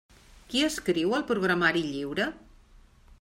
Qui escriu el programari lliure?